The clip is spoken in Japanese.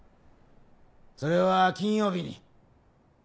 それは金曜日に。